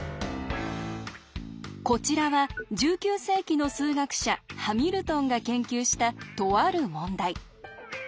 こちらは１９世紀の数学者ハミルトンが研究したとある問題。